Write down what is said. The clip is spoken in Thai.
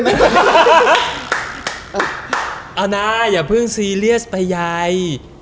เอานะแย่พึ่งซีเรียสประยาย